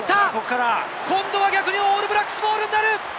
今度は逆にオールブラックスボールになる！